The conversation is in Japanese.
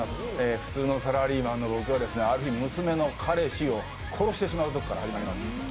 普通のサラリーマンの僕がある日娘の彼氏を殺してしまうところから始まります。